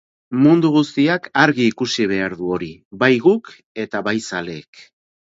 Mundu guztiak argi ikusi behar du hori, bai guk eta bai zaleek.